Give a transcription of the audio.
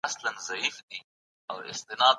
سياستوالو د قدرت له پاره نوي پروګرامونه جوړ کړي وو.